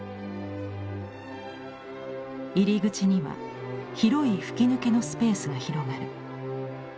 入り口には広い吹き抜けのスペースが広がる。